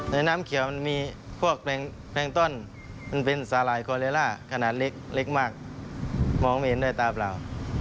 น้ำเขียวมันมีพวกแปลงต้อนมันเป็นสาหร่ายคอเลล่าขนาดเล็กมากมองไม่เห็นด้วยตาเปล่า